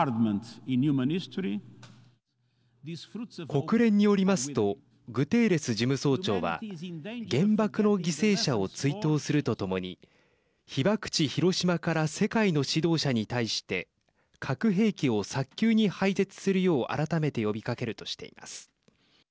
国連によりますとグテーレス事務総長は原爆の犠牲者を追悼するとともに被爆地広島から世界の指導者に対して核兵器を早急に廃絶するよう改めて呼びかけるとしています。